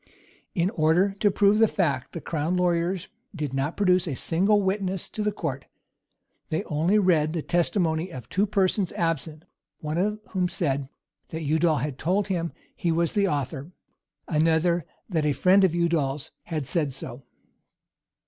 In order to prove the fact, the crown lawyers did not produce a single witness to the court: they only read the testimony of two persons absent, one of whom said, that Udal had told him he was the author; another, that a friend of Udal's had said so.